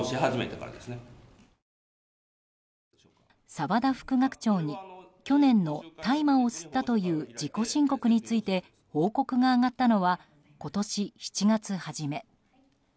澤田副学長に去年の大麻を吸ったという自己申告について報告が上がったのは今年７月初め。